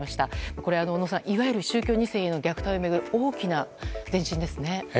これは小野さん、いわゆる宗教２世への虐待を巡る大きな前進ですね。